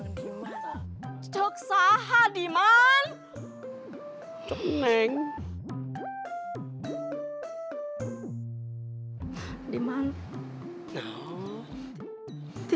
udah malam tau